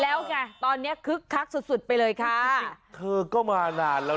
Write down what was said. แล้วไงตอนเนี้ยคือภาคสุดไปเลยเขาก็มานานแล้ว